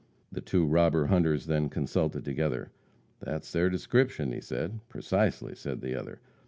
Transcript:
The two robber hunters then consulted together. "That's their description," said one. "Precisely," said the other.